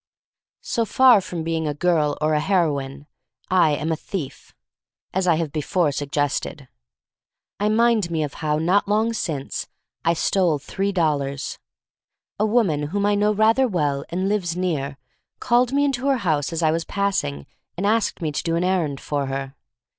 So far from being a girl or a heroine, I am a thief — as I have before suggested. I mind me of how, not long since, I r 142 THE STORY OF MARY MAC LANE Stole three dollars, A woman whom I know rather well, and lives near, called me into her house as I was passing and asked me to do an errand for her.